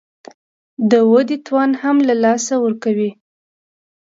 د ودې توان هم له لاسه ورکوي